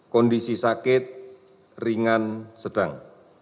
kondisi sakit ringan sedang